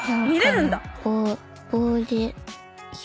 見れるんだ。